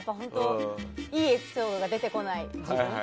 いいエピソードが出てこない自分。